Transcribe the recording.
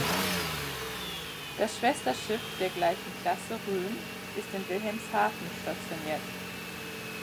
Das Schwesterschiff der gleichen Klasse, "Rhön", ist in Wilhelmshaven stationiert.